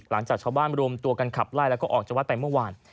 หลังจากชาวบ้านรวมตัวกันขับไล่แล้วก็ออกจากวัดไปเมื่อวาน